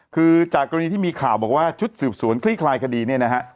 คือจากกรณีที่มีข่าวบอกว่าชุดสืบสวนคลี่คลายคดีเนี่ยนะฮะ